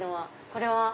これは？